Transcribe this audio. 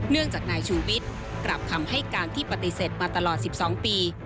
เนื่องจากนายชูวิทย์กลับคำให้การที่ปฏิเสธมาตลอด๑๒ปี